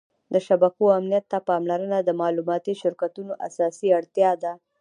د شبکو امنیت ته پاملرنه د معلوماتي شرکتونو اساسي اړتیا ده.